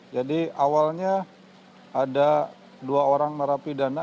jadi awalnya ada dua orang merapi dana